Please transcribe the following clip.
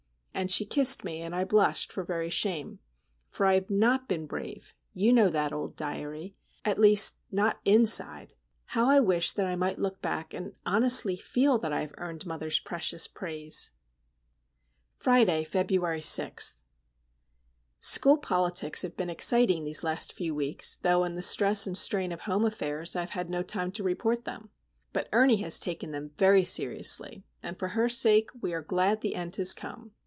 Then she kissed me, and I blushed for very shame. For I have not been brave,—you know that, old diary,—at least not inside. How I wish that I might look back, and honestly feel that I have earned mother's precious praise! Friday, February 6. School politics have been exciting these last few weeks, though in the stress and strain of home affairs I have had no time to report them. But Ernie has taken them very seriously, and for her sake we are glad the end has come.